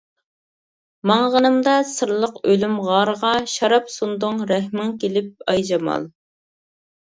ماڭغىنىمدا سىرلىق ئۆلۈم غارىغا، شاراب سۇندۇڭ رەھمىڭ كېلىپ ئايجامال.